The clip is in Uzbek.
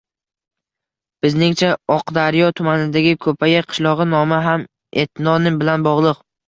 Bizningcha, Oqdaryo tumanidagi Ko‘payi qishlog‘i nomi ham etnonim bilan bog‘liq.